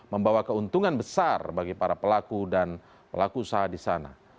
membawa keuntungan besar bagi para pelaku dan pelaku usaha di sana